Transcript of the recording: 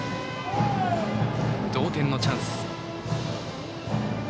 同点のチャンス。